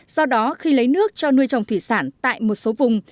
do đó khi lấy nước cho nuôi trồng thủy sản tại một số vùng